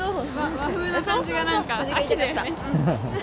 和風な感じがなんか秋だよね。